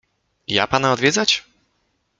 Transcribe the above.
— Ja pana odwiedzać?